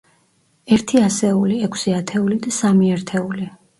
ერთი ასეული, ექვსი ათეული და სამი ერთეული.